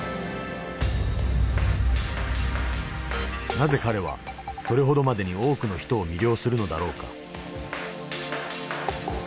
なぜ彼はそれほどまでに多くの人を魅了するのだろうか。